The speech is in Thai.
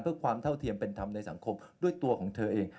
เพื่อความเท่าเทียมเป็นธรรมในสังคมด้วยตัวของเธอเอง